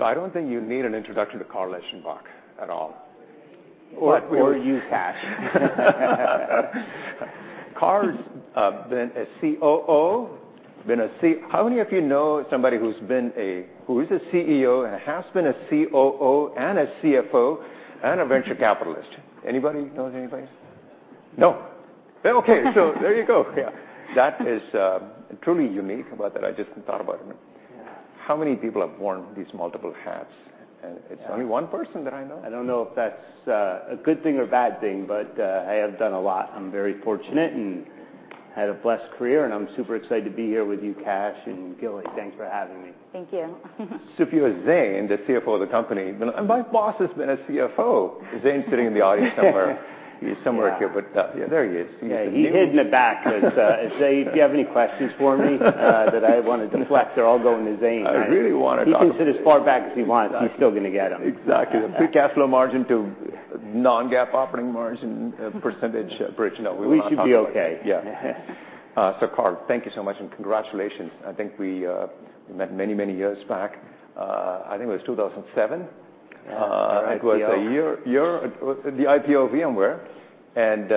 I don't think you need an introduction to Carl Eschenbach at all. Or you, Kash. Carl's been a COO, been a CEO. How many of you know somebody who's been a CEO and has been a COO and a CFO and a venture capitalist? Anybody knows anybody? No. Okay, so there you go. Yeah, that is truly unique, but I just thought about it. Yeah. How many people have worn these multiple hats? Yeah. It's only one person that I know. I don't know if that's a good thing or a bad thing, but I have done a lot. I'm very fortunate and had a blessed career, and I'm super excited to be here with you, Kash and Jan. Thanks for having me. Thank you. So if you were Zane, the CFO of the company, "My boss has been a CFO." Zane's sitting in the audience somewhere. Yeah. He's somewhere here, but... Yeah, there he is. Yeah, he's hidden in the back. But, Zane, if you have any questions for me that I want to deflect, they're all going to Zane. I really want to talk- He can sit as far back as he wants, I'm still gonna get them. Exactly. The free cash flow margin to non-GAAP operating margin, percentage bridge. No, we want to talk- We should be okay. Yeah. So Carl, thank you so much, and congratulations. I think we, we met many, many years back, I think it was 2007. Yeah, our IPO. It was a year. The IPO of VMware, and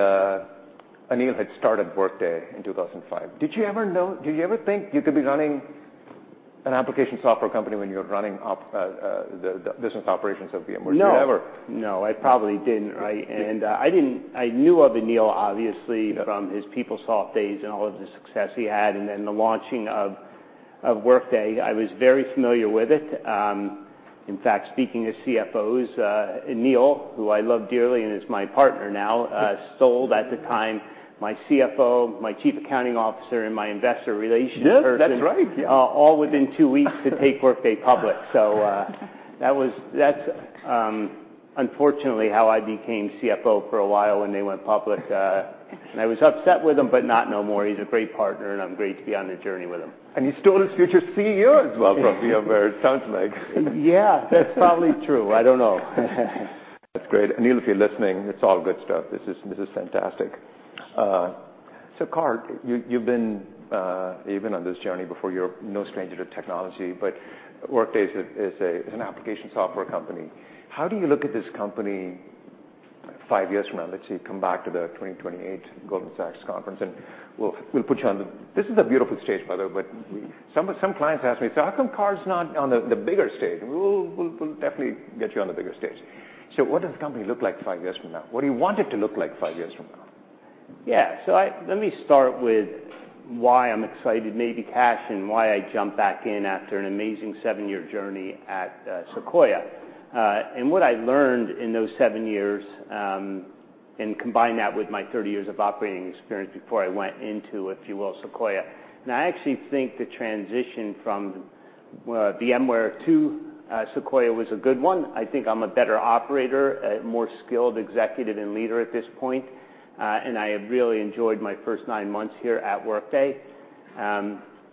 Aneel had started Workday in 2005. Did you ever know, did you ever think you could be running an application software company when you were running the business operations of VMware? No. Did you ever? No, I probably didn't, right? Yeah. I knew of Aneel, obviously, from his PeopleSoft days and all of the success he had, and then the launching of Workday. I was very familiar with it. In fact, speaking of CFOs, Aneel, who I love dearly and is my partner now, stole at the time my CFO, my chief accounting officer, and my investor relations person- Yeah, that's right. All within two weeks to take Workday public. So, that was... That's, unfortunately, how I became CFO for a while when they went public, and I was upset with him, but not no more. He's a great partner, and I'm great to be on the journey with him. He stole his future CEO as well—from VMware, it sounds like. Yeah, that's probably true. I don't know. That's great. Aneel, if you're listening, it's all good stuff. This is fantastic. So Carl, you've been even on this journey before, you're no stranger to technology, but Workday is an application software company. How do you look at this company five years from now? Let's say you come back to the 2028 Goldman Sachs conference, and we'll put you on the... This is a beautiful stage, by the way, but some clients ask me, "So how come Carl's not on the bigger stage?" We'll definitely get you on the bigger stage. So what does the company look like five years from now? What do you want it to look like five years from now? Yeah. So let me start with why I'm excited, maybe, Kash, and why I jumped back in after an amazing seven-year journey at Sequoia. And what I learned in those seven years, and combine that with my 30 years of operating experience before I went into, if you will, Sequoia. And I actually think the transition from, well, VMware to Sequoia was a good one. I think I'm a better operator, a more skilled executive and leader at this point, and I have really enjoyed my first 9 months here at Workday.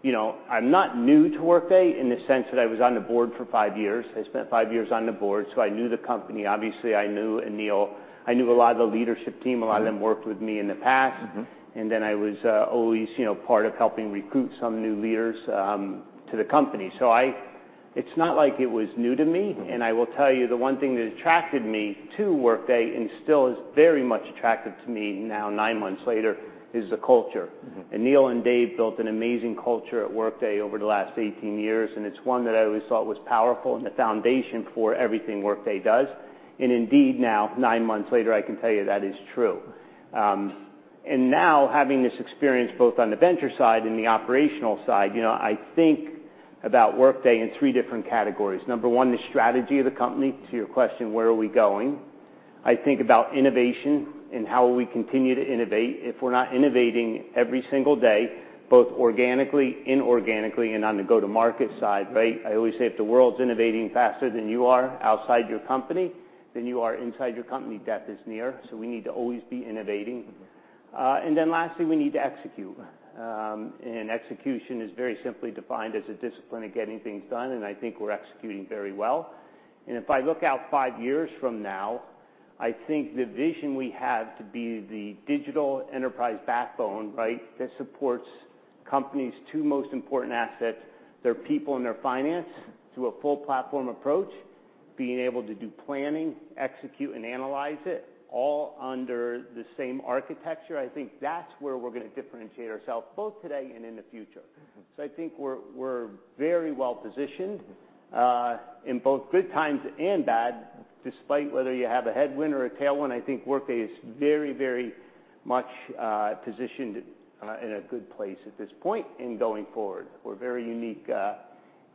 You know, I'm not new to Workday in the sense that I was on the board for five years. I spent five years on the board, so I knew the company. Obviously, I knew Aneel. I knew a lot of the leadership team- Mm-hmm. A lot of them worked with me in the past. Mm-hmm. And then I was always, you know, part of helping recruit some new leaders to the company. So it's not like it was new to me. Mm-hmm. I will tell you, the one thing that attracted me to Workday, and still is very much attractive to me now, nine months later, is the culture. Mm-hmm. Aneel and Dave built an amazing culture at Workday over the last 18 years, and it's one that I always thought was powerful and the foundation for everything Workday does. And indeed, now, nine months later, I can tell you that is true. And now having this experience, both on the venture side and the operational side, you know, I think about Workday in three different categories. Number 1, the strategy of the company, to your question: where are we going? I think about innovation and how we continue to innovate. If we're not innovating every single day, both organically, inorganically, and on the go-to-market side, right? I always say if the world's innovating faster than you are outside your company, than you are inside your company, death is near, so we need to always be innovating. Mm-hmm. And then lastly, we need to execute. And execution is very simply defined as a discipline of getting things done, and I think we're executing very well. And if I look out five years from now, I think the vision we have to be the digital enterprise backbone, right, that supports companies' two most important assets, their people and their finance, through a full platform approach, being able to do planning, execute, and analyze it, all under the same architecture, I think that's where we're gonna differentiate ourselves, both today and in the future. Mm-hmm. I think we're, we're very well positioned in both good times and bad. Despite whether you have a headwind or a tailwind, I think Workday is very, very much positioned in a good place at this point and going forward. We're very unique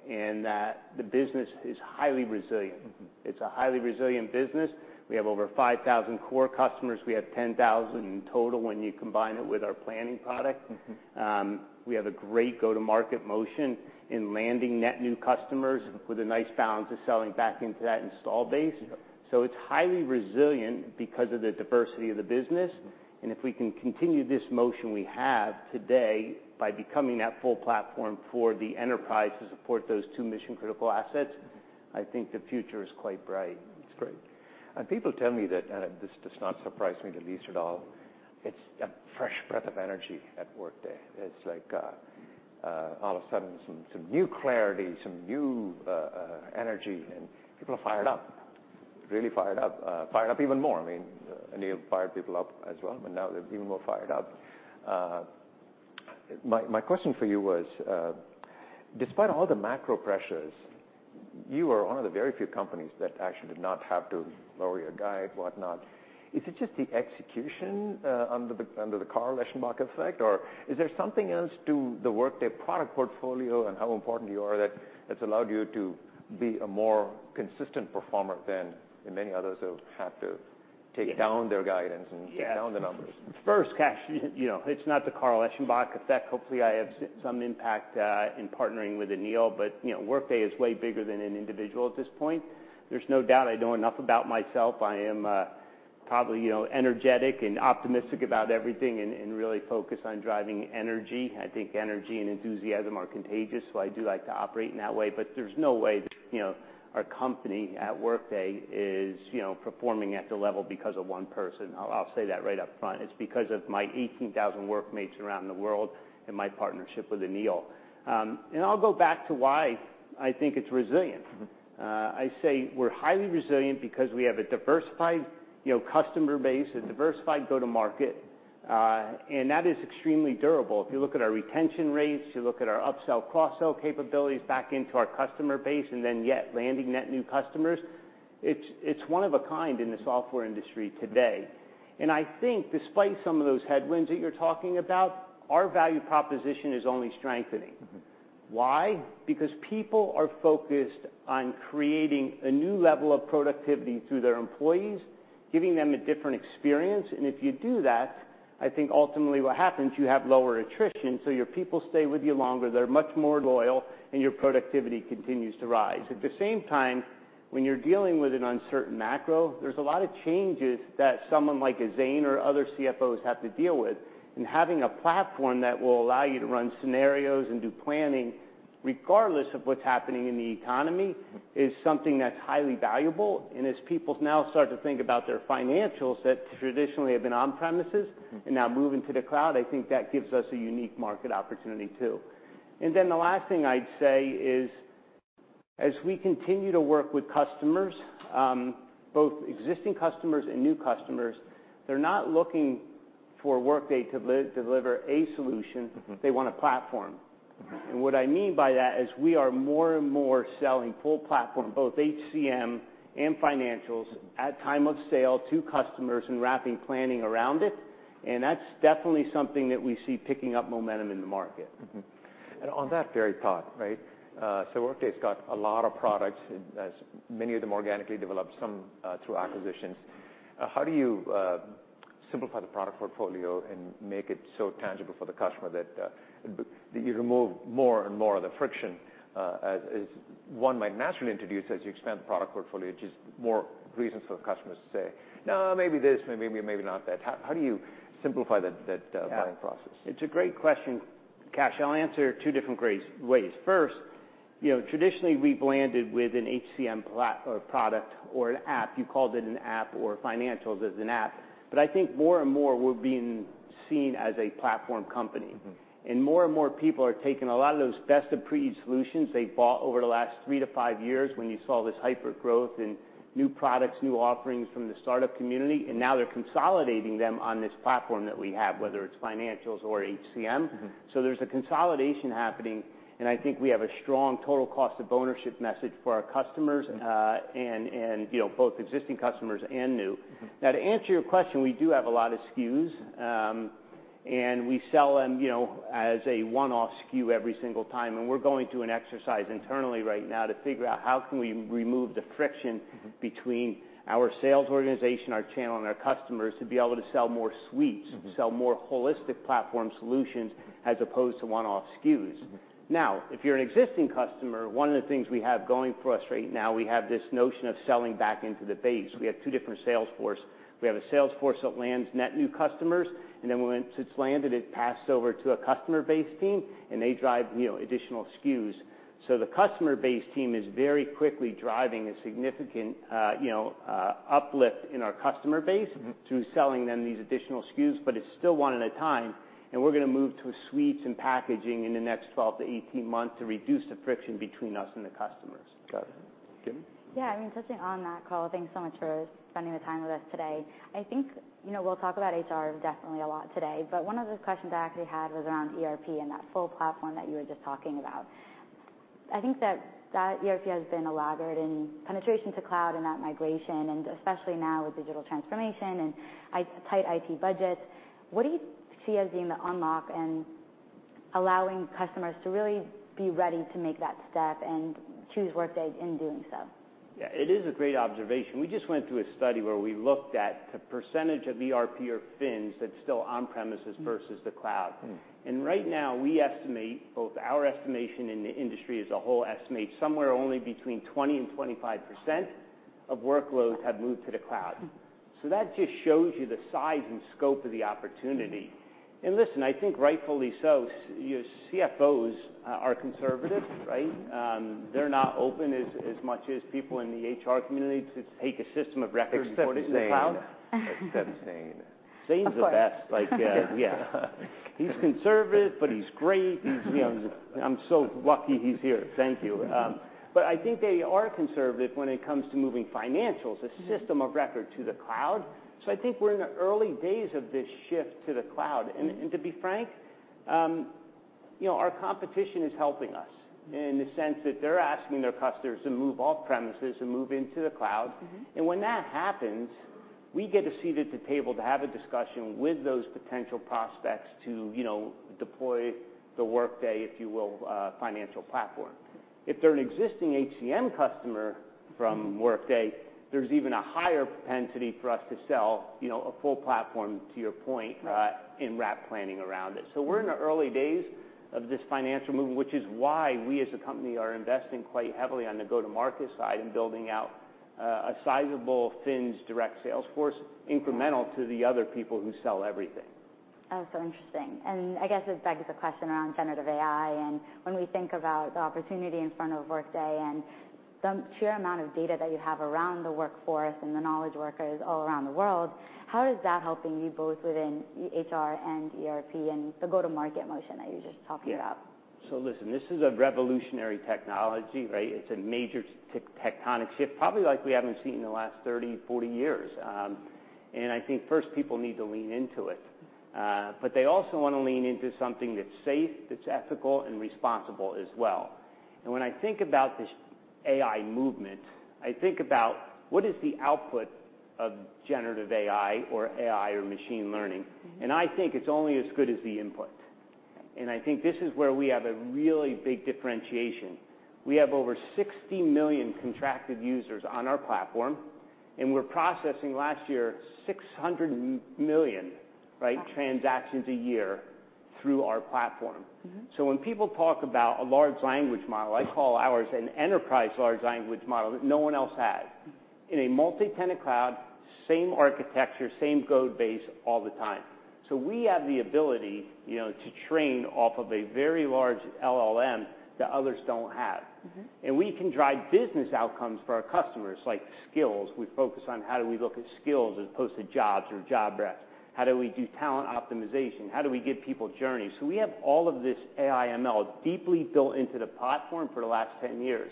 in that the business is highly resilient. Mm-hmm. It's a highly resilient business. We have over 5,000 core customers. We have 10,000 in total when you combine it with our planning product. Mm-hmm. We have a great go-to-market motion in landing net new customers with a nice balance of selling back into that installed base. Yeah. So it's highly resilient because of the diversity of the business, and if we can continue this motion we have today by becoming that full platform for the enterprise to support those two mission-critical assets-... I think the future is quite bright. It's great. People tell me that this does not surprise me the least at all, it's a fresh breath of energy at Workday. It's like all of a sudden, some new clarity, some new energy, and people are fired up, really fired up, fired up even more. I mean, Aneel fired people up as well, but now they're even more fired up. My question for you was, despite all the macro pressures, you are one of the very few companies that actually did not have to lower your guide, whatnot. Is it just the execution under the Carl Eschenbach effect, or is there something else to the Workday product portfolio and how important you are, that's allowed you to be a more consistent performer than many others who have to take down their guidance? Yeah. And take down the numbers? First, Kash, you know, it's not the Carl Eschenbach effect. Hopefully, I have some impact in partnering with Aneel, but, you know, Workday is way bigger than an individual at this point. There's no doubt I know enough about myself. I am probably, you know, energetic and optimistic about everything and really focused on driving energy. I think energy and enthusiasm are contagious, so I do like to operate in that way. But there's no way that, you know, our company at Workday is, you know, performing at the level because of one person. I'll say that right up front. It's because of my 18,000 Workmates around the world and my partnership with Aneel. And I'll go back to why I think it's resilient. Mm-hmm. I say we're highly resilient because we have a diversified, you know, customer base, a diversified go-to-market, and that is extremely durable. If you look at our retention rates, you look at our upsell, cross-sell capabilities back into our customer base, and then yet landing net new customers, it's one of a kind in the software industry today. And I think despite some of those headwinds that you're talking about, our value proposition is only strengthening. Mm-hmm. Why? Because people are focused on creating a new level of productivity through their employees, giving them a different experience, and if you do that, I think ultimately what happens, you have lower attrition, so your people stay with you longer, they're much more loyal, and your productivity continues to rise. At the same time, when you're dealing with an uncertain macro, there's a lot of changes that someone like a Zane or other CFOs have to deal with. And having a platform that will allow you to run scenarios and do planning, regardless of what's happening in the economy. Mm-hmm. Is something that's highly valuable. And as people now start to think about their financials that traditionally have been on-premises- Mm-hmm. And now moving to the cloud, I think that gives us a unique market opportunity, too. And then the last thing I'd say is, as we continue to work with customers, both existing customers and new customers, they're not looking for Workday to deliver a solution. Mm-hmm. They want a platform. What I mean by that is we are more and more selling full platform, both HCM and financials, at time of sale to customers and wrapping planning around it, and that's definitely something that we see picking up momentum in the market. Mm-hmm. And on that very thought, right, so Workday's got a lot of products, as many of them organically developed, some through acquisitions. How do you simplify the product portfolio and make it so tangible for the customer that you remove more and more of the friction, as one might naturally introduce as you expand the product portfolio, just more reasons for the customers to say, "No, maybe this, maybe, maybe not that." How do you simplify that. Yeah.... buying process? It's a great question, Kash. I'll answer two different ways. First, you know, traditionally, we've landed with an HCM platform or product or an app. You called it an app or financials as an app, but I think more and more we're being seen as a platform company. Mm-hmm. More and more people are taking a lot of those best-of-breed solutions they bought over the last three to five years, when you saw this hypergrowth and new products, new offerings from the startup community, and now they're consolidating them on this platform that we have, whether it's financials or HCM. Mm-hmm. So there's a consolidation happening, and I think we have a strong total cost of ownership message for our customers, you know, both existing customers and new. Mm-hmm. Now, to answer your question, we do have a lot of SKUs, and we sell them, you know, as a one-off SKU every single time, and we're going through an exercise internally right now to figure out how can we remove the friction- Mm-hmm.... between our sales organization, our channel, and our customers, to be able to sell more suites. Mm-hmm. Sell more holistic platform solutions as opposed to one-off SKUs. Mm-hmm. Now, if you're an existing customer, one of the things we have going for us right now, we have this notion of selling back into the base. We have two different sales force. We have a sales force that lands net new customers, and then once it's landed, it's passed over to a customer base team, and they drive, you know, additional SKUs. So the customer base team is very quickly driving a significant, you know, uplift in our customer base- Mm-hmm.... through selling them these additional SKUs, but it's still one at a time, and we're gonna move to suites and packaging in the next 12-18 months to reduce the friction between us and the customers. Got it. Gili? Yeah, I mean, touching on that, Carl, thanks so much for spending the time with us today. I think, you know, we'll talk about HR definitely a lot today, but one of the questions I actually had was around ERP and that full platform that you were just talking about. I think that that ERP has been a laggard in penetration to cloud and that migration, and especially now with digital transformation and tight IT budgets. What do you see as being the unlock and allowing customers to really be ready to make that step and choose Workday in doing so? Yeah, it is a great observation. We just went through a study where we looked at the percentage of ERP or FMS that's still on premises- Mm. - versus the cloud. Mm. Right now, we estimate, both our estimation and the industry as a whole, estimate somewhere only between 20% and 25% of workloads have moved to the cloud. Mm. So that just shows you the size and scope of the opportunity. And listen, I think rightfully so, your CFOs are conservative, right? They're not open as much as people in the HR community to take a system of record and put it in the cloud. Except Zane. Except Zane. Zane's the best. Like, yeah, he's conservative, but he's great. He's, you know, I'm so lucky he's here. Thank you. But I think they are conservative when it comes to moving financials, a system of record to the cloud. So I think we're in the early days of this shift to the cloud. Mm-hmm. To be frank, you know, our competition is helping us in the sense that they're asking their customers to move off premises and move into the cloud. Mm-hmm. When that happens, we get a seat at the table to have a discussion with those potential prospects to, you know, deploy the Workday, if you will, financial platform. If they're an existing HCM customer from Workday, there's even a higher propensity for us to sell, you know, a full platform, to your point- Right.... and wrap planning around it. So we're in the early days of this financial movement, which is why we, as a company, are investing quite heavily on the go-to-market side and building out, a sizable FMS direct sales force, incremental to the other people who sell everything. Oh, so interesting. And I guess this begs the question around generative AI, and when we think about the opportunity in front of Workday, and the sheer amount of data that you have around the workforce and the knowledge workers all around the world, how is that helping you both within HR and ERP and the go-to-market motion that you just talked about? Yeah. So listen, this is a revolutionary technology, right? It's a major tectonic shift, probably like we haven't seen in the last 30, 40 years. And I think, first, people need to lean into it. But they also want to lean into something that's safe, that's ethical, and responsible as well. And when I think about this AI movement, I think about what is the output of generative AI or AI or machine learning? Mm-hmm. I think it's only as good as the input. I think this is where we have a really big differentiation. We have over 60 million contracted users on our platform, and we're processing, last year, 600 million, right, transactions a year through our platform. Mm-hmm. When people talk about a large language model, I call ours an enterprise large language model that no one else has. Mm-hmm. In a multi-tenant cloud, same architecture, same code base all the time. So we have the ability, you know, to train off of a very large LLM that others don't have. Mm-hmm. We can drive business outcomes for our customers, like skills. We focus on how do we look at skills as opposed to jobs or job risks? How do we do talent optimization? How do we give people journeys? So we have all of this AI ML deeply built into the platform for the last 10 years.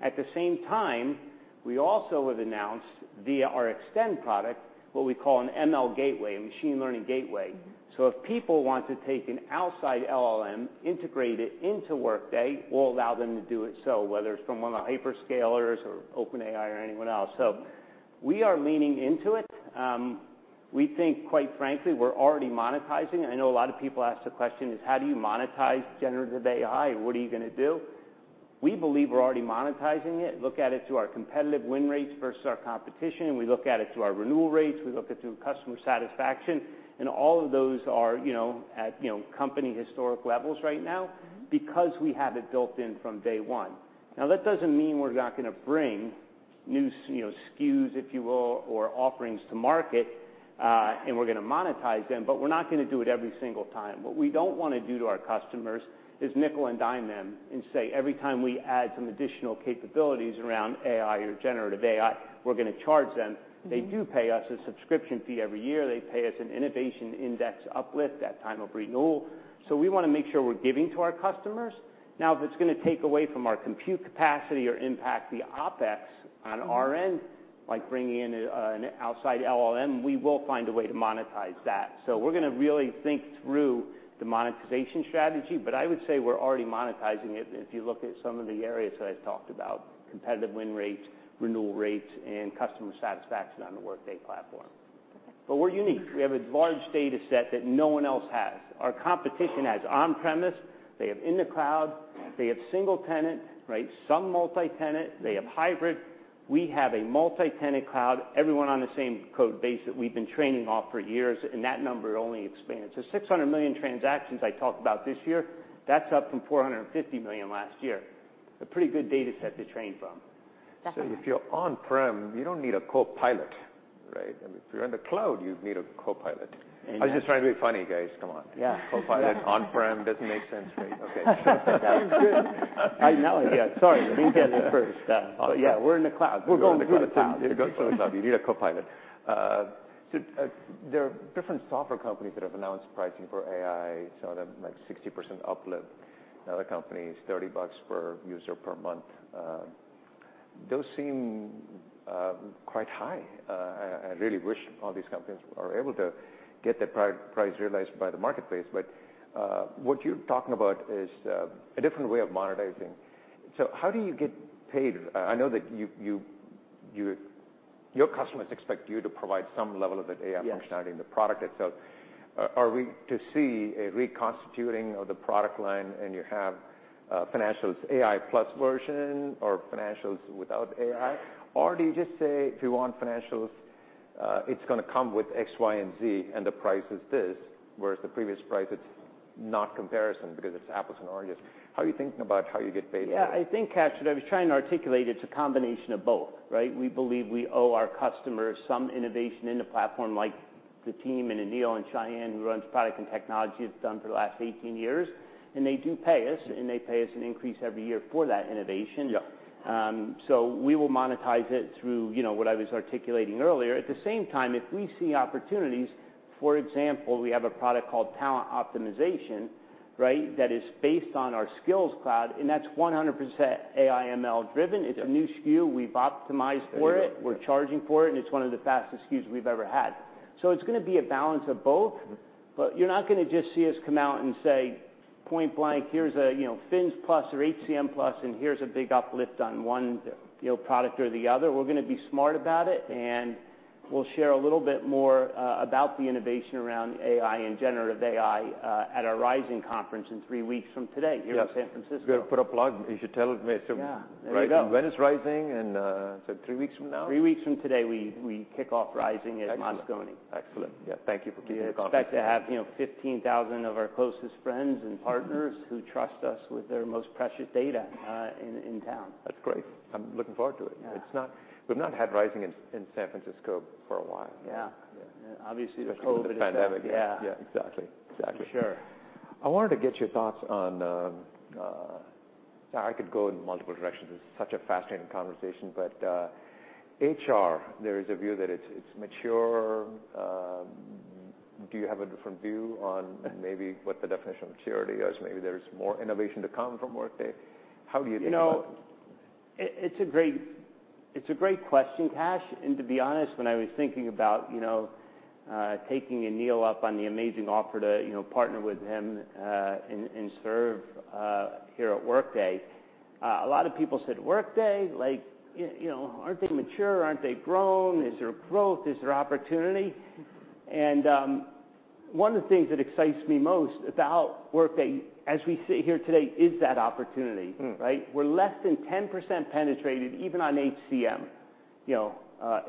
At the same time, we also have announced, via our Extend product, what we call an ML Gateway, a machine learning gateway. Mm-hmm. So if people want to take an outside LLM, integrate it into Workday, we'll allow them to do it so. Whether it's from one of the hyperscalers or OpenAI or anyone else. So we are leaning into it. We think, quite frankly, we're already monetizing it. I know a lot of people ask the question is: How do you monetize generative AI, and what are you gonna do? We believe we're already monetizing it. Look at it through our competitive win rates versus our competition, and we look at it through our renewal rates, we look it through customer satisfaction. And all of those are, you know, at, you know, company historic levels right now- Mm-hmm.... because we have it built in from day one. Now, that doesn't mean we're not gonna bring new, you know, SKUs, if you will, or offerings to market, and we're gonna monetize them, but we're not gonna do it every single time. What we don't wanna do to our customers is nickel-and-dime them and say, "Every time we add some additional capabilities around AI or generative AI, we're gonna charge them. Mm-hmm. They do pay us a subscription fee every year. They pay us an Innovation Index uplift at time of renewal. We wanna make sure we're giving to our customers. Now, if it's gonna take away from our compute capacity or impact the OpEx on our end. Mm-hmm. ... like bringing in, an outside LLM, we will find a way to monetize that. So we're gonna really think through the monetization strategy, but I would say we're already monetizing it if you look at some of the areas that I've talked about, competitive win rates, renewal rates, and customer satisfaction on the Workday platform. But we're unique. We have a large data set that no one else has. Our competition has on-premise, they have in the cloud, they have single tenant, right? Some multi-tenant. They have hybrid. We have a multi-tenant cloud, everyone on the same code base that we've been training off for years, and that number only expands. The 600 million transactions I talked about this year, that's up from 450 million last year. A pretty good data set to train from. Definitely. So if you're on-prem, you don't need a copilot, right? I mean, if you're in the cloud, you'd need a copilot. Amen. I was just trying to be funny, guys. Come on. Yeah. Copilot on-prem doesn't make sense, right? Okay. That was good. Now, yeah, sorry, I didn't get it at first. But yeah, we're in the cloud. We're going to the cloud. You need a Copilot. So, there are different software companies that have announced pricing for AI, so that like 60% uplift. Other companies, $30 per user per month. Those seem quite high. I really wish all these companies are able to get their price realized by the marketplace, but what you're talking about is a different way of monetizing. So how do you get paid? I know that your customers expect you to provide some level of that AI functionality- Yes.... in the product itself. Are we to see a reconstituting of the product line, and you have, financials AI plus version or financials without AI? Or do you just say: If you want financials, it's gonna come with X, Y, and Z, and the price is this, whereas the previous price, it's-... not comparison, because it's apples and oranges. How are you thinking about how you get paid for it? Yeah, I think, Kash, what I was trying to articulate, it's a combination of both, right? We believe we owe our customers some innovation in the platform, like the team and Aneel and Sayan, who runs product and technology, it's done for the last 18 years. And they do pay us, and they pay us an increase every year for that innovation. Yeah. So we will monetize it through, you know, what I was articulating earlier. At the same time, if we see opportunities, for example, we have a product called Talent Optimization, right? That is based on our Skills Cloud, and that's 100% AI/ML driven. Yeah. It's a new SKU. We've optimized for it- There you go. We're charging for it, and it's one of the fastest SKUs we've ever had. So it's gonna be a balance of both. Mm-hmm. But you're not gonna just see us come out and say, point-blank, "Here's a, you know, FMSPlus or HCMPlus, and here's a big uplift on one, you know, product or the other." We're gonna be smart about it, and we'll share a little bit more about the innovation around AI and generative AI at our Rising conference in three weeks from today. Yeah. Here in San Francisco. We've put a plug. You should tell me so- Yeah, there you go. When is Rising? And, so three weeks from now? Three weeks from today, we kick off Rising at Moscone. Excellent. Excellent. Yeah, thank you for keeping me in confidence. We expect to have, you know, 15,000 of our closest friends and partners who trust us with their most precious data, in town. That's great. I'm looking forward to it. Yeah. We've not had Rising in San Francisco for a while. Yeah. Yeah. Obviously, the COVID. The pandemic. Yeah. Yeah, exactly. Exactly. Sure. I wanted to get your thoughts on. I could go in multiple directions. This is such a fascinating conversation. But, HR, there is a view that it's, it's mature. Do you have a different view on maybe what the definition of maturity is? Maybe there's more innovation to come from Workday. How do you think about it? You know, it's a great question, Kash. And to be honest, when I was thinking about, you know, taking Aneel up on the amazing offer to, you know, partner with him, and serve here at Workday, a lot of people said: "Workday? Like, you know, aren't they mature? Aren't they grown? Is there growth? Is there opportunity? Mm-hmm. One of the things that excites me most about Workday, as we sit here today, is that opportunity. Mm. Right? We're less than 10% penetrated, even on HCM, you know,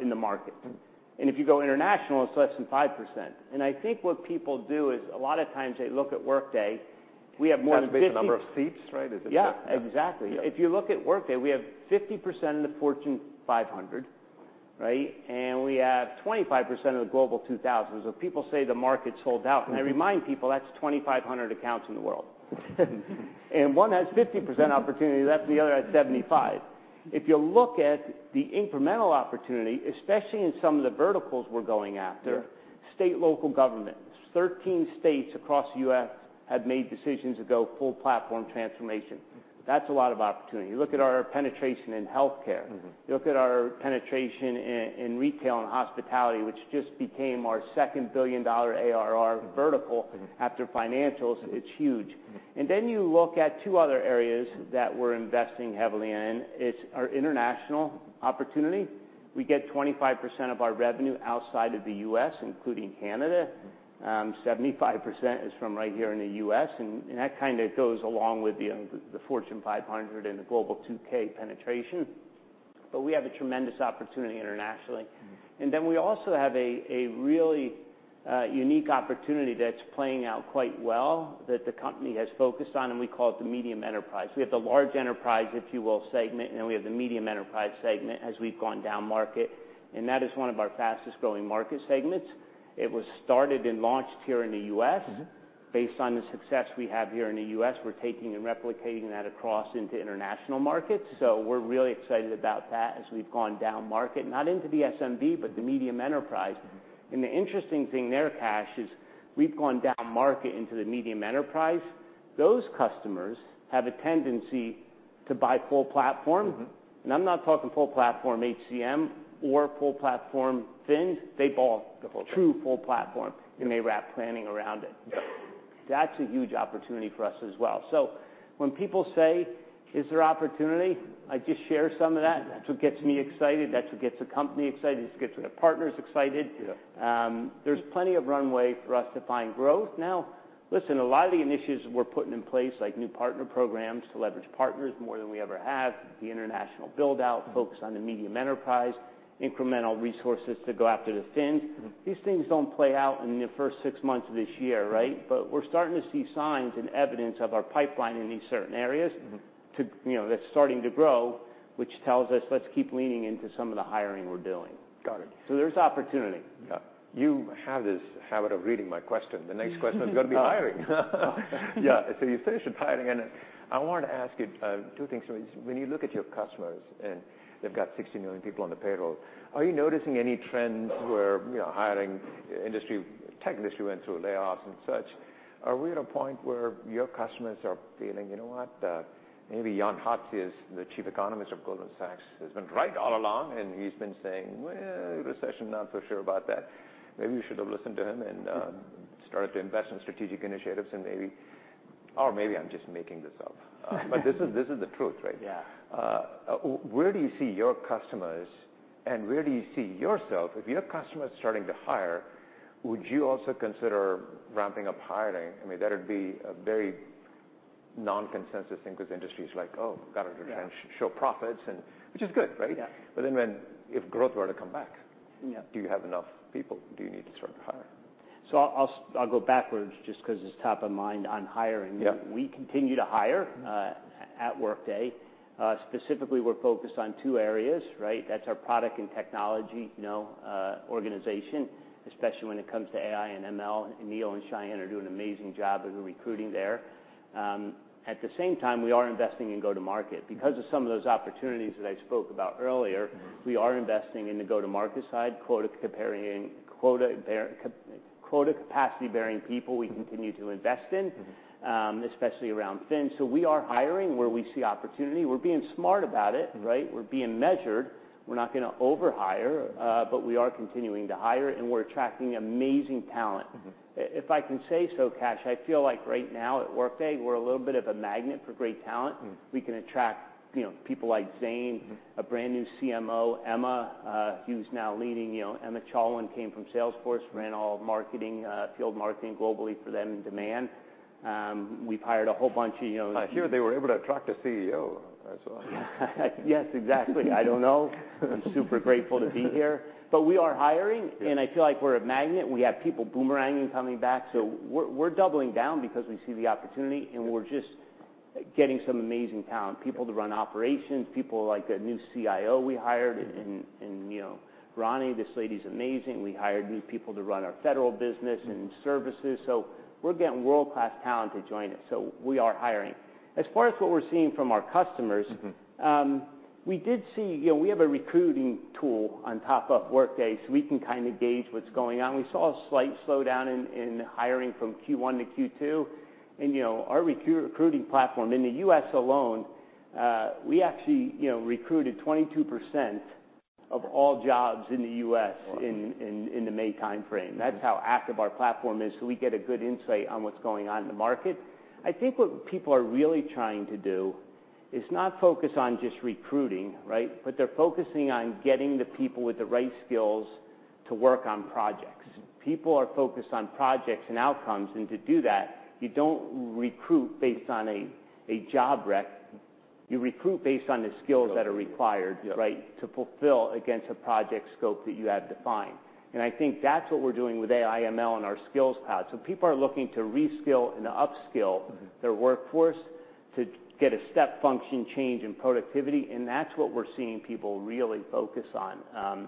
in the market. Mm-hmm. If you go international, it's less than 5%. I think what people do is, a lot of times they look at Workday, we have more than 50- Based on the number of seats, right? Is it- Yeah, exactly. Yeah. If you look at Workday, we have 50% of the Fortune 500, right? And we have 25% of the Global 2000. So people say the market's sold out. Mm-hmm. I remind people, that's 2,500 accounts in the world. One has 50% opportunity left, the other has 75%. If you look at the incremental opportunity, especially in some of the verticals we're going after- Yeah.... state, local governments. 13 states across the U.S. have made decisions to go full platform transformation. Mm-hmm. That's a lot of opportunity. You look at our penetration in healthcare. Mm-hmm. You look at our penetration in retail and hospitality, which just became our second billion-dollar ARR vertical. Mm-hmm. After financials. It's huge. Mm-hmm. Then you look at two other areas that we're investing heavily in, it's our international opportunity. We get 25% of our revenue outside of the U.S., including Canada. Mm-hmm. 75% is from right here in the U.S., and that kind of goes along with the Fortune 500 and the Global 2000 penetration. But we have a tremendous opportunity internationally. Mm-hmm. Then we also have a really unique opportunity that's playing out quite well, that the company has focused on, and we call it the medium enterprise. We have the large enterprise, if you will, segment, and we have the medium enterprise segment as we've gone down market, and that is one of our fastest growing market segments. It was started and launched here in the U.S. Mm-hmm. Based on the success we have here in the U.S., we're taking and replicating that across into international markets. Mm-hmm. We're really excited about that as we've gone down market, not into the SMB, but the medium enterprise. Mm-hmm. The interesting thing there, Kash, is we've gone down market into the medium enterprise. Those customers have a tendency to buy full platform. Mm-hmm. I'm not talking full platform HCM or full platform FMS. They bought- The whole thing.... true full platform, and they wrap planning around it. That's a huge opportunity for us as well. So when people say: "Is there opportunity?" I just share some of that. Yeah. That's what gets me excited, that's what gets the company excited, it's what gets the partners excited. Yeah. There's plenty of runway for us to find growth. Now, listen, a lot of the initiatives we're putting in place, like new partner programs, to leverage partners more than we ever have, the international build-out- Mm-hmm.... focus on the medium enterprise, incremental resources to go after the FMS. Mm-hmm. These things don't play out in the first six months of this year, right? Right. But we're starting to see signs and evidence of our pipeline in these certain areas- Mm-hmm.... to, you know, that's starting to grow, which tells us, let's keep leaning into some of the hiring we're doing. Got it. So there's opportunity. Yeah. You have this habit of reading my question. The next question is gonna be hiring. Yeah. So you finished with hiring, and I want to ask you two things. When you look at your customers, and they've got 60 million people on the payroll, are you noticing any trends where, you know, hiring industry- tech industry went through layoffs and such? Are we at a point where your customers are feeling, you know what, maybe Jan Hatzius, the Chief Economist of Goldman Sachs, has been right all along, and he's been saying, "Well, recession, not so sure about that." Maybe you should have listened to him and started to invest in strategic initiatives, and maybe... Or maybe I'm just making this up. But this is, this is the truth, right? Yeah. Where do you see your customers, and where do you see yourself? If your customer is starting to hire, would you also consider ramping up hiring? I mean, that would be a very... non-consensus thing with industries like, "Oh, got to show profits," and which is good, right? Yeah. But then when, if growth were to come back- Yeah. Do you have enough people? Do you need to start to hire? I'll, I'll go backwards just 'cause it's top of mind on hiring. Yeah. We continue to hire at Workday. Specifically, we're focused on two areas, right? That's our product and technology, you know, organization, especially when it comes to AI and ML. Aneel and Sayan are doing an amazing job with the recruiting there. At the same time, we are investing in go-to-market. Because of some of those opportunities that I spoke about earlier- Mm-hmm. We are investing in the go-to-market side, quota comparing, quota capacity-bearing people. We continue to invest in- Mm-hmm. Especially around Financials. So we are hiring where we see opportunity. We're being smart about it, right? We're being measured. We're not gonna overhire, but we are continuing to hire, and we're attracting amazing talent. Mm-hmm. If I can say so, Kash, I feel like right now at Workday, we're a little bit of a magnet for great talent. Mm. We can attract, you know, people like Zane- Mm-hmm. a brand new CMO, Emma, who's now leading, you know, Emma Chalwin came from Salesforce- Right. Ran all marketing, field marketing globally for them in demand. We've hired a whole bunch of, you know- I hear they were able to attract a CEO as well. Yes, exactly. I don't know. I'm super grateful to be here. But we are hiring- Yeah. I feel like we're a magnet. We have people boomeranging coming back. Yeah. So we're doubling down because we see the opportunity, and we're just getting some amazing talent. People to run operations, people like a new CIO we hired- Mm-hmm. you know, Rani, this lady's amazing. We hired new people to run our federal business and services, so we're getting world-class talent to join us, so we are hiring. As far as what we're seeing from our customers- Mm-hmm. We did see... You know, we have a recruiting tool on top of Workday, so we can kind of gauge what's going on. We saw a slight slowdown in hiring from Q1 to Q2. And, you know, our recruiting platform in the U.S. alone, we actually, you know, recruited 22% of all jobs in the U.S.- Wow! In the May timeframe. Mm-hmm. That's how active our platform is, so we get a good insight on what's going on in the market. I think what people are really trying to do is not focus on just recruiting, right? But they're focusing on getting the people with the right skills to work on projects. People are focused on projects and outcomes, and to do that, you don't recruit based on a job req. You recruit based on the skills that are required- Yep. Right, to fulfill against a project scope that you have defined, and I think that's what we're doing with AI/ML and our Skills Cloud. People are looking to reskill and upskill. Mm-hmm. Their workforce to get a step function change in productivity, and that's what we're seeing people really focus on.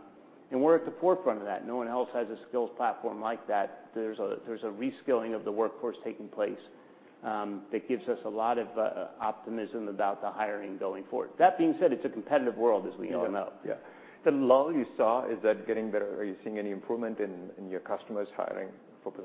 And we're at the forefront of that. No one else has a skills platform like that. There's a reskilling of the workforce taking place, that gives us a lot of optimism about the hiring going forward. That being said, it's a competitive world, as we all know. Yeah. The lull you saw, is that getting better? Are you seeing any improvement in your customers hiring for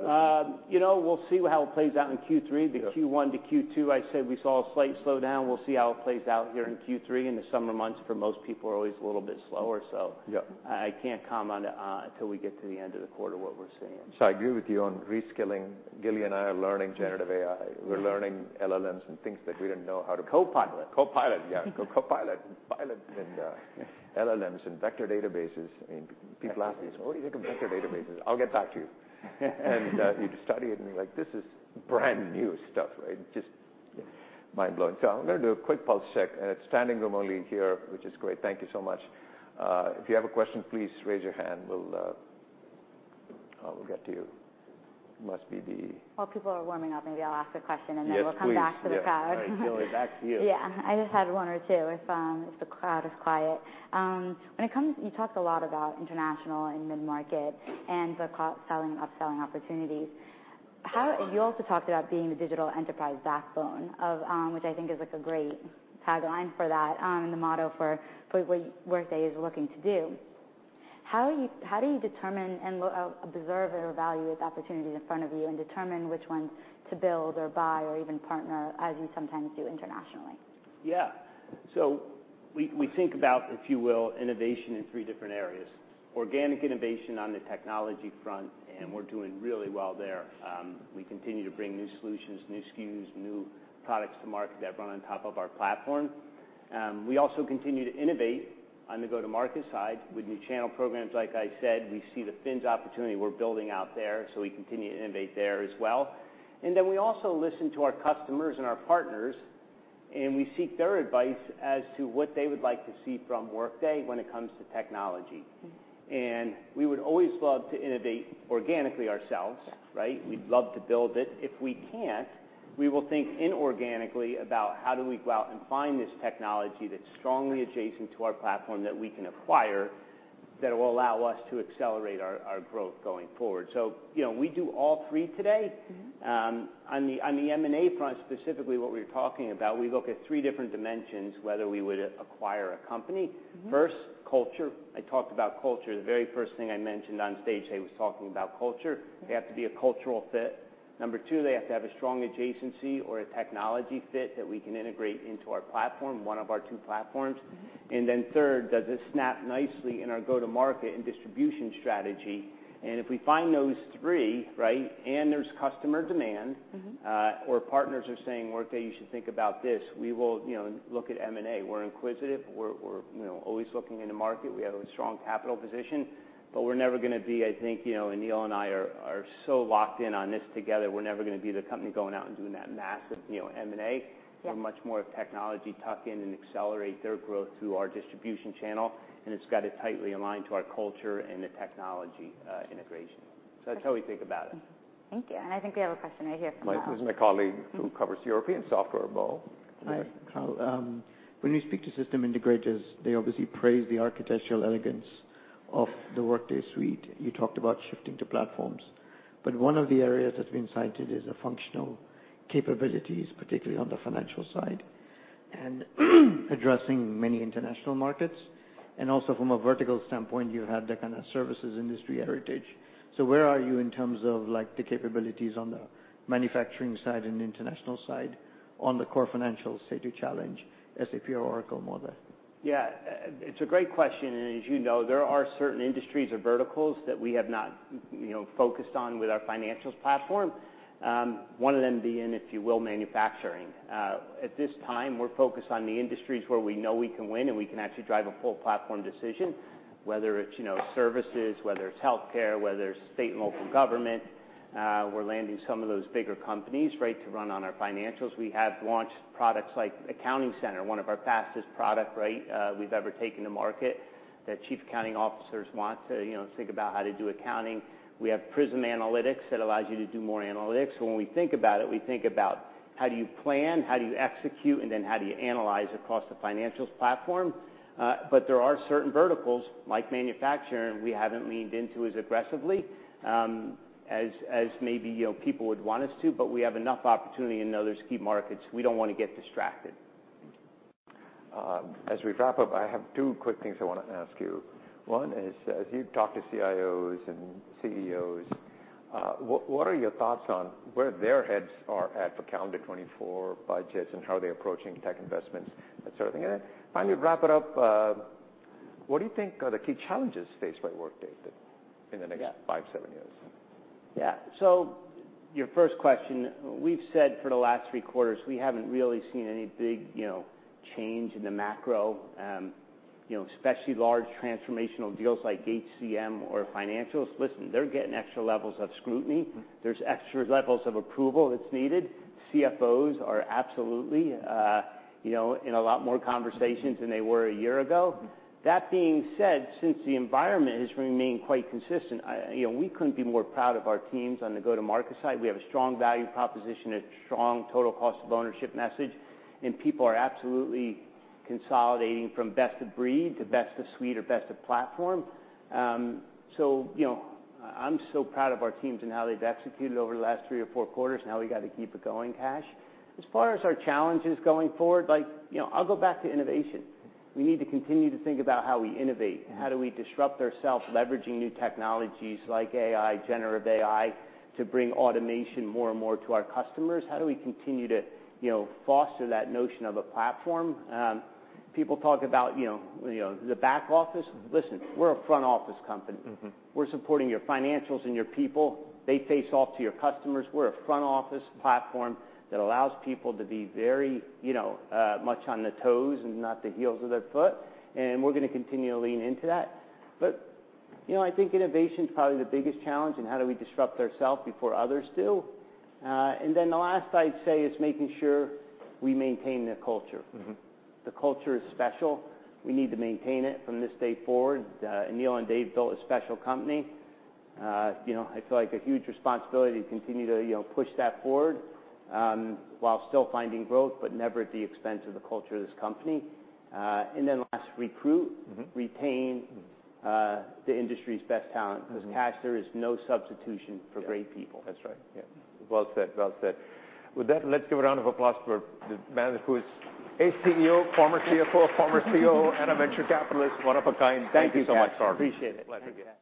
positions? You know, we'll see how it plays out in Q3. Yeah. The Q1 to Q2, I'd say we saw a slight slowdown. We'll see how it plays out here in Q3. In the summer months, for most people are always a little bit slower, so- Yeah. I can't comment on, until we get to the end of the quarter, what we're seeing. I agree with you on reskilling. Gili and I are learning generative AI. Yeah. We're learning LLMs and things that we didn't know how to- Copilot. Copilot, yeah. Co-copilot, pilot, and, LLMs and vector databases, and people ask me, "What do you think of vector databases?" I'll get back to you. And, you study it, and you're like, "This is brand-new stuff, right? Just mind-blowing." So I'm gonna do a quick pulse check, and it's standing room only here, which is great. Thank you so much. If you have a question, please raise your hand. We'll get to you. Must be the- While people are warming up, maybe I'll ask a question, and then. Yes, please... we'll come back to the crowd. All right, Gili, back to you. Yeah. I just had one or two if, if the crowd is quiet. When it comes, you talked a lot about international and mid-market and the co-selling, upselling opportunities. How- Mm-hmm. You also talked about being the digital enterprise backbone of... Which I think is, like, a great tagline for that, and the motto for, for what Workday is looking to do. How do you, how do you determine and, observe or evaluate the opportunities in front of you and determine which ones to build or buy or even partner, as you sometimes do internationally? Yeah. So we, we think about, if you will, innovation in three different areas. Organic innovation on the technology front, and we're doing really well there. We continue to bring new solutions, new SKUs, new products to market that run on top of our platform. We also continue to innovate on the go-to-market side with new channel programs. Like I said, we see the financials opportunity we're building out there, so we continue to innovate there as well. And then we also listen to our customers and our partners, and we seek their advice as to what they would like to see from Workday when it comes to technology. Mm-hmm. We would always love to innovate organically ourselves- Yeah. Right? We'd love to build it. If we can't, we will think inorganically about how do we go out and find this technology that's strongly adjacent to our platform that we can acquire, that will allow us to accelerate our growth going forward. So, you know, we do all three today. Mm-hmm. On the M&A front, specifically what we're talking about, we look at three different dimensions, whether we would acquire a company. Mm-hmm. First, culture. I talked about culture. The very first thing I mentioned on stage today was talking about culture. Mm-hmm. They have to be a cultural fit. Number two, they have to have a strong adjacency or a technology fit that we can integrate into our platform, one of our two platforms. Mm-hmm. And then third, does this snap nicely in our go-to-market and distribution strategy? And if we find those three, right, and there's customer demand- Mm-hmm. Or partners are saying: "Workday, you should think about this," we will, you know, look at M&A. We're inquisitive, we're, you know, always looking in the market. We have a strong capital position, but we're never gonna be, I think... You know, Aneel and I are so locked in on this together. We're never gonna be the company going out and doing that massive, you know, M&A. Yeah. We're much more of technology tuck-in and accelerate their growth through our distribution channel, and it's got to tightly align to our culture and the technology integration. Okay. That's how we think about it.... Thank you. I think we have a question right here from Mo. This is my colleague who covers European software, Mo. Hi. Hi, Carl. When you speak to system integrators, they obviously praise the architectural elegance of the Workday suite. You talked about shifting to platforms, but one of the areas that's been cited is the functional capabilities, particularly on the financial side, and addressing many international markets. And also from a vertical standpoint, you have the kind of services industry heritage. So where are you in terms of, like, the capabilities on the manufacturing side and international side on the core financial, say, to challenge SAP or Oracle more there? Yeah, it's a great question, and as you know, there are certain industries or verticals that we have not, you know, focused on with our financials platform. One of them being, if you will, manufacturing. At this time, we're focused on the industries where we know we can win, and we can actually drive a full platform decision, whether it's, you know, services, whether it's healthcare, whether it's state and local government, we're landing some of those bigger companies, right, to run on our financials. We have launched products like Accounting Center, one of our fastest product, right, we've ever taken to market, that chief accounting officers want to, you know, think about how to do accounting. We have Prism Analytics that allows you to do more analytics. So when we think about it, we think about how do you plan, how do you execute, and then how do you analyze across the financials platform? But there are certain verticals, like manufacturing, we haven't leaned into as aggressively, as maybe, you know, people would want us to, but we have enough opportunity in those key markets. We don't want to get distracted. As we wrap up, I have two quick things I wanna ask you. One is, as you talk to CIOs and CEOs, what, what are your thoughts on where their heads are at for calendar 2024 budgets, and how are they approaching tech investments, that sort of thing? Then finally, to wrap it up, what do you think are the key challenges faced by Workday in the next- Yeah.... five, seven years? Yeah. So your first question, we've said for the last three quarters, we haven't really seen any big, you know, change in the macro. You know, especially large transformational deals like HCM or financials. Listen, they're getting extra levels of scrutiny. Mm-hmm. There's extra levels of approval that's needed. CFOs are absolutely, you know, in a lot more conversations than they were a year ago. Mm-hmm. That being said, since the environment has remained quite consistent, you know, we couldn't be more proud of our teams on the go-to-market side. We have a strong value proposition, a strong total cost of ownership message, and people are absolutely consolidating from best of breed to best of suite or best of platform. So, you know, I'm so proud of our teams and how they've executed over the last three or four quarters. Now we got to keep it going, Kash. As far as our challenges going forward, like, you know, I'll go back to innovation. We need to continue to think about how we innovate. Mm-hmm. How do we disrupt ourselves, leveraging new technologies like AI, generative AI, to bring automation more and more to our customers? How do we continue to, you know, foster that notion of a platform? People talk about, you know, you know, the back office. Listen, we're a front office company. Mm-hmm. We're supporting your financials and your people. They face off to your customers. We're a front office platform that allows people to be very, you know, much on the toes and not the heels of their foot, and we're gonna continue to lean into that. But, you know, I think innovation is probably the biggest challenge, and how do we disrupt ourself before others do? And then the last I'd say is making sure we maintain the culture. Mm-hmm. The culture is special. We need to maintain it from this day forward. Aneel and Dave built a special company. You know, I feel like a huge responsibility to continue to, you know, push that forward, while still finding growth, but never at the expense of the culture of this company. And then last, recruit- Mm-hmm... retain the industry's best talent. Mm-hmm. Because, Kash, there is no substitution for great people. Yeah, that's right. Yeah. Well said. Well said. With that, let's give a round of applause for the man who is a CEO, former CFO, former CEO, and a venture capitalist. One of a kind. Thank you so much. Thank you so much, Carl. Appreciate it. Pleasure. Yeah.